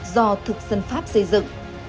do thực dân pháp xây dựng